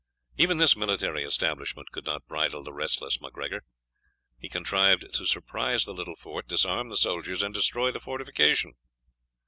Even this military establishment could not bridle the restless MacGregor. He contrived to surprise the little fort, disarm the soldiers, and destroy the fortification.